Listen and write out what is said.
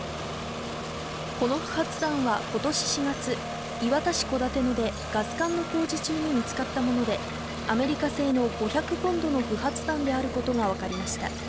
この不発弾は今年４月、磐田市小立野でガス管の工事中に見つかったもので、アメリカ製の５００ポンドの不発弾であることが分かりました。